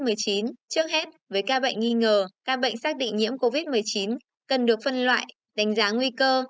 trước hết với ca bệnh nghi ngờ các bệnh xác định nhiễm covid một mươi chín cần được phân loại đánh giá nguy cơ